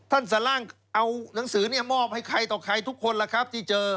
สล่างเอาหนังสือเนี่ยมอบให้ใครต่อใครทุกคนล่ะครับที่เจอ